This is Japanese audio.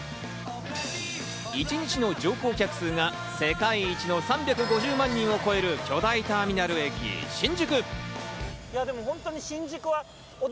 一日の乗降客数が世界一の３５０万人を超える巨大ターミナル駅・新宿。